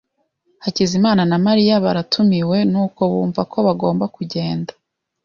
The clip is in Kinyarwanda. Hakizimana na Mariya baratumiwe, nuko bumva ko bagomba kugenda.